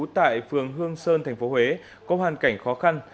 tại phường hương sơn thành phố huế có hoàn cảnh khó khăn